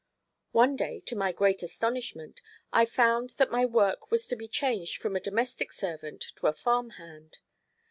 One day, to my great astonishment, I found that my work was to be changed from a domestic servant to a farm hand.